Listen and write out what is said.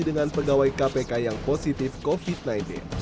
dengan pegawai kpk yang positif covid sembilan belas